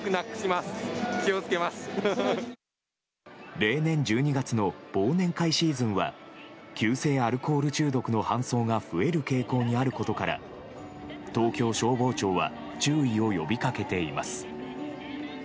例年１２月の忘年会シーズンは急性アルコール中毒の搬送が増える傾向にあることから東京消防庁は注意を呼び掛けています。